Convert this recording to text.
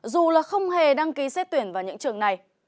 dù là không hề đăng ký xét tuyển vào những trường này